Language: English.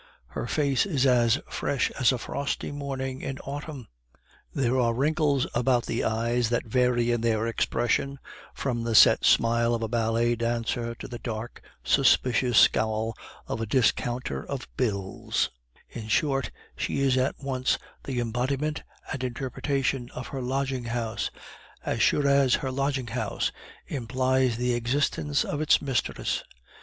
Her face is as fresh as a frosty morning in autumn; there are wrinkles about the eyes that vary in their expression from the set smile of a ballet dancer to the dark, suspicious scowl of a discounter of bills; in short, she is at once the embodiment and interpretation of her lodging house, as surely as her lodging house implies the existence of its mistress.